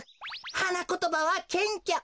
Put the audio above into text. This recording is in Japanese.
はなことばはけんきょ。